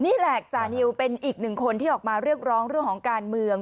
นี่แหละจานิวเป็นอีกหนึ่งคนที่ออกมาเรียกร้องเรื่องของการเมือง